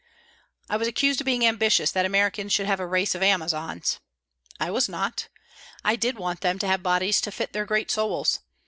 I was accused of being ambitious that Americans should have a race of Amazons. I was not. I did want them to have bodies to fit their great souls.